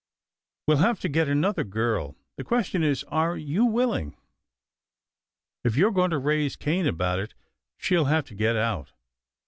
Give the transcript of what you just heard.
We'll have to get another girl. The question is, are you willing. If you're going to raise Cain about it, she'll have to get out."